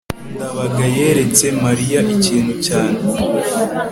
ndabaga yeretse mariya ikintu cyane